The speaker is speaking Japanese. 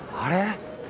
っつって。